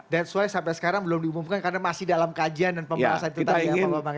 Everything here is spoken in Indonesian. that's why sampai sekarang belum diumumkan karena masih dalam kajian dan pembahasan itu tadi ya pak bambang ya